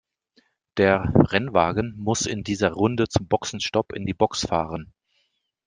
Der Rennwagen muss in dieser Runde zum Boxenstopp in die Box fahren.